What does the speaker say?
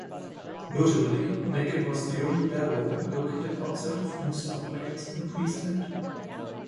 Notably, Makin was the only bellwether located outside of New South Wales and Queensland.